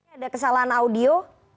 ada kesalahan audio